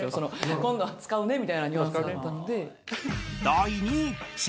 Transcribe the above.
「今度使うね」みたいなニュアンスだったので。